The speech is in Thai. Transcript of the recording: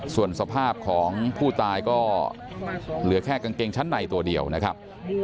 ส่วนสภาพของผู้ตายก็เหลือแค่กางเกงชั้นในตัวเดียวนะครับ